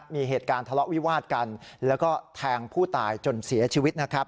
มีเหตุการณ์ทะเลาะวิวาดกันแล้วก็แทงผู้ตายจนเสียชีวิตนะครับ